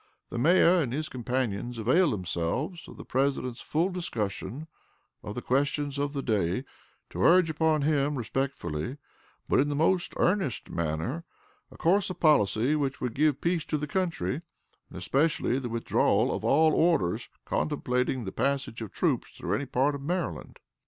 "The Mayor and his companions availed themselves of the President's full discussion of the questions of the day to urge upon him respectfully, but in the most earnest manner, a course of policy which would give peace to the country, and especially the withdrawal of all orders contemplating the passage of troops through any part of Maryland."